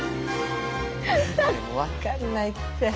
もう分かんないって。